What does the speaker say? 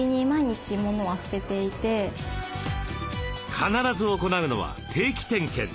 必ず行うのは定期点検。